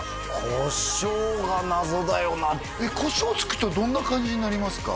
コショウが謎だよなコショウつくとどんな感じになりますか？